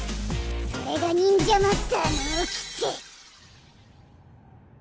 それが忍者マスターのおきて。